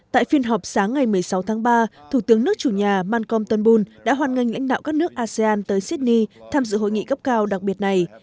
tại phiên họp sáng ngày một mươi sáu tháng ba thủ tướng nước chủ nhà malcom tân bull đã hoan nghênh lãnh đạo các nước asean tới sydney tham dự hội nghị cấp cao đặc biệt này